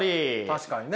確かにね。